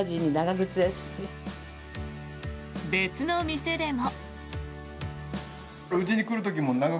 別の店でも。